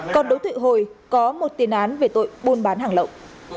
còn đối tượng hồi có một tiền án về tội buôn bán hàng lộng